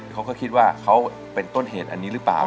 เขาก็คิดว่าเขาเป็นต้นเหตุอันนี้หรือเปล่า